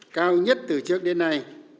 cao nhất từ trước đến nay